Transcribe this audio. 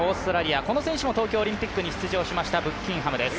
この選手も東京オリンピックに出場しましたブッキンハムです。